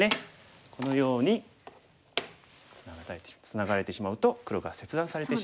このようにツナがれてしまうと黒が切断されてしまう。